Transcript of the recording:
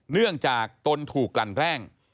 เนื่องจากตนถูกกลั่นแกล้ง